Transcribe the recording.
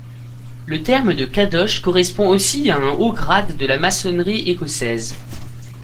Le terme de Kadosh correspond aussi à un haut grade de la maçonnerie écossaise.